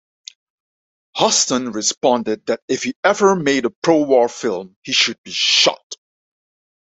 Huston responded that if he ever made a pro-war film, he should be shot.